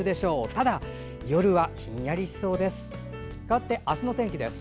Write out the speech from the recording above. ただ、夜はひんやりしそうです。